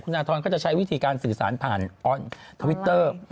อาทรก็จะใช้วิธีการสื่อสารผ่านออนทวิตเตอร์